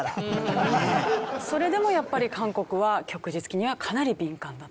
それでもやっぱり韓国は旭日旗にはかなり敏感だと。